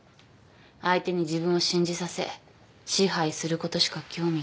相手に自分を信じさせ支配することしか興味がない。